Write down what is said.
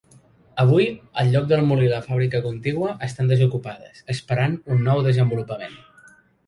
Avui el lloc del molí i la fàbrica contigua estan desocupades, esperant un nou desenvolupament.